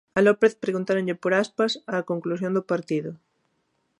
A López preguntáronlle por Aspas á conclusión do partido.